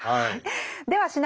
はい。